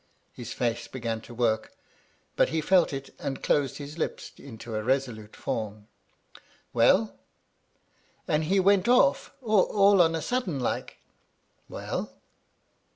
His face began to work ; but he felt it, and closed his lips into a resolute form. «WeU?" " And he went off all on a sudden like." "Well?''